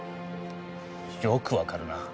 よくわかるなあ。